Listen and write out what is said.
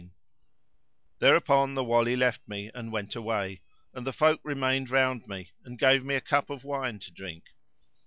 [FN#545] Thereupon the Wali left me, and went away and the folk remained round me and gave me a cup of wine to drink.